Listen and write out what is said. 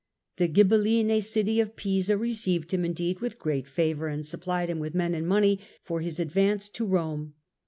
The GhibelHne city of Pisa received him indeed with great favour and sup phed him with men and money for his advance to Rome.